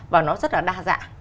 và nó rất là đa dạng